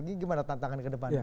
ini gimana tantangan ke depannya